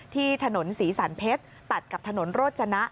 ที่ถนนศรีสรรเพชรตัดกับถนนโรจนะ